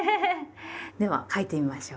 では書いてみましょう。